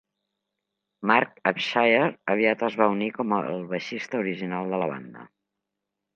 Mark Abshire aviat es va unir com el baixista original de la banda.